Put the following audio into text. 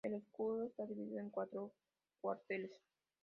El escudo está dividido en cuatro cuarteles.